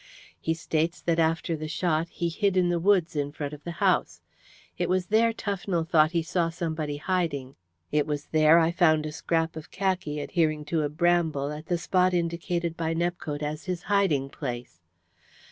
He states that after the shot he hid in the woods in front of the house. It was there Tufnell thought he saw somebody hiding; it was there I found a scrap of khaki adhering to a bramble at the spot indicated by Nepcote as his hiding place.